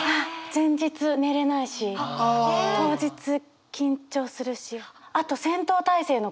前日寝れないし当日緊張するし。